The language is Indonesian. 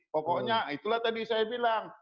pokoknya itulah tadi saya bilang